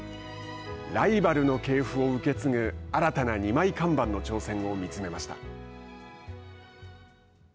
ライバルの系譜を受け継ぐ新たな２枚看板の挑戦を見つめました。